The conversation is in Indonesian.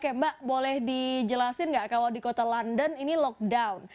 oke mbak boleh dijelasin nggak kalau di kota london ini lockdown